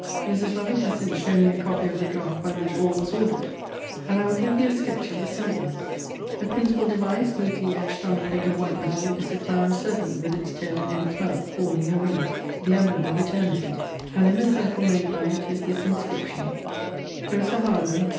Mrs. Lovick has since shown me a copy of the draught by which all was ordered; and I will give thee a sketch of the symbols. The principal device, neatly etched on a plate of white metal, is a crowned serpent, with its tail in its mouth, forming a ring, the emblem of eternity: and in the circle made by it is this inscription: CLARISSA HARLOWE.